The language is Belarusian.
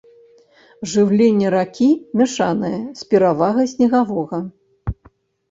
Жыўленне ракі мяшанае, з перавагай снегавога.